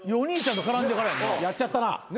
やっちゃったな。